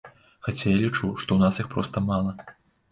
Хаця я лічу, што ў нас іх проста мала.